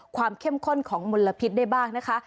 เข้มข้นของมลพิษได้บ้างนะคะ